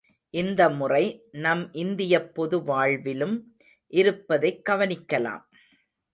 இந்த முறை நம் இந்தியப் பொதுவாழ்விலும் இருப்பதைக் கவனிக்கலாம்.